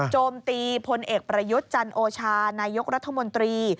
โจมตีพลเอกประยุทธ์จันโอชานายกรัฐมนตรี